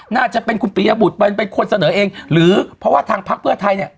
น่าจะเป็นคุณปียบุตรเป็นคนเสนอเองหรือเพราะว่าทางพักเพื่อไทยเนี่ย